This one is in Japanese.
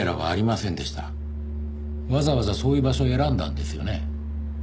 わざわざそういう場所選んだんですよね？